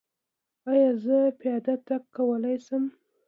ایا زه پیاده تګ کولی شم؟